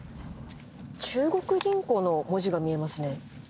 中国銀行の文字が見えますね。